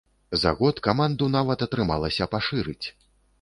За год каманду нават атрымалася пашырыць!